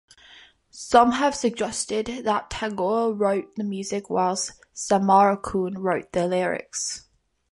Some have suggested that Tagore wrote the music whilst Samarakoon wrote the lyrics.